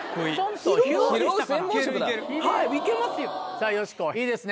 さぁよしこいいですね？